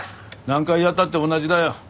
何回やったって同じだよ。